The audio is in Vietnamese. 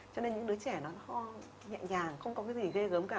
cho nên những đứa trẻ nó ho nhẹ nhàng không có cái gì ghê gớm cả